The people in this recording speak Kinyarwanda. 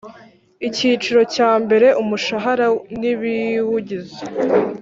Icyiciro cya mbere Umushahara n ibiwugize